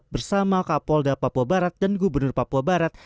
bersama kapolda papua barat dan gubernur papua barat